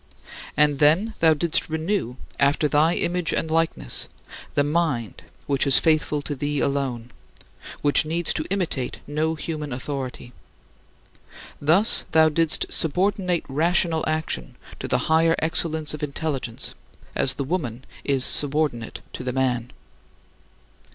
And then thou didst renew, after thy image and likeness, the mind which is faithful to thee alone, which needs to imitate no human authority. Thus, thou didst subordinate rational action to the higher excellence of intelligence, as the woman is subordinate to the man.